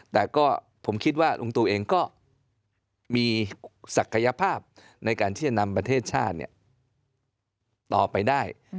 แต่ก็ผมคิดว่าลุงตูเองก็มีศักยภาพในการที่จะนำประเทศชาติต่อไปได้